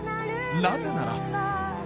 なぜなら。